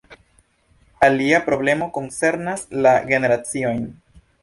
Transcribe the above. Alia problemo koncernas la generaciojn.